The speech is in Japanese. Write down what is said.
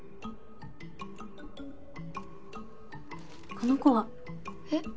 この子は？え？